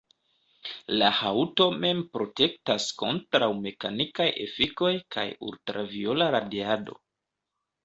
La haŭto mem protektas kontraŭ mekanikaj efikoj, kaj ultraviola radiado.